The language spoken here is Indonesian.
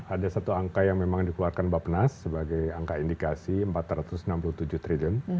ada satu angka yang memang dikeluarkan bapak nas sebagai angka indikasi empat ratus enam puluh tujuh triliun